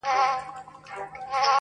له څپو څخه د امن و بېړۍ ته،